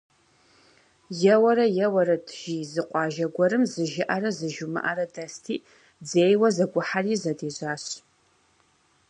Еуэрэ-еуэрэт, жи, зы къуажэ гуэрым зы Жыӏэрэ зы Жумыӏэрэ дэсти, дзейуэ зэгухьэри, зэдежьащ.